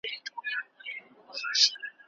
خورما د هغه د نیمې ورځې یوازینۍ توښه وه.